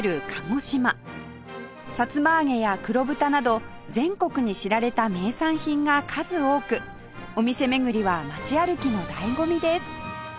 さつま揚げや黒豚など全国に知られた名産品が数多くお店巡りは街歩きの醍醐味です